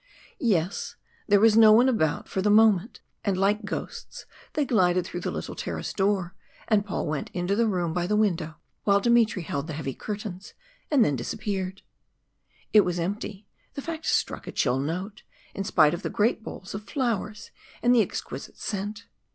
Yes there was no one about for the moment, and like ghosts they glided through the little terrace door, and Paul went into the room by the window, while Dmitry held the heavy curtains, and then disappeared. It was empty the fact struck a chill note, in spite of the great bowls of flowers and the exquisite scent.